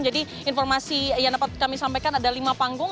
jadi informasi yang dapat kami sampaikan ada lima panggung